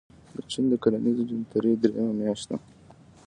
د چين د کرنیزې جنترې درېیمه میاشت ده.